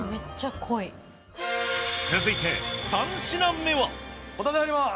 続いて３品目は？